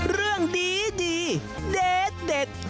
เรื่องดีเด็ด